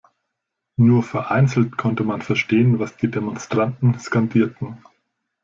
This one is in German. Nur vereinzelt konnte man verstehen, was die Demonstranten skandierten.